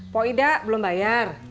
pak ida belum bayar